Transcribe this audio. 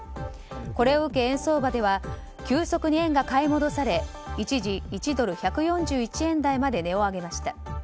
これを受け、円相場では急速に円が買い戻され一時１ドル＝１４１円台まで値を上げました。